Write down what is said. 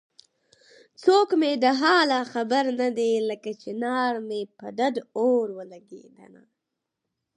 څوک مې د حاله خبر نه دی لکه چنار مې په ډډ اور ولګېدنه